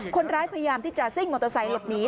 พยายามที่จะซิ่งมอเตอร์ไซค์หลบหนี